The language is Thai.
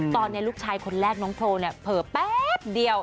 ตอนนี้ลูกชายคนแรกน้องโพลเนี่ยเผลอแป๊บเดียว